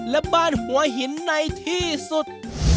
และบ้านหัวหินในที่สุด